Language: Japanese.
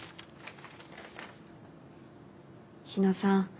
日野さん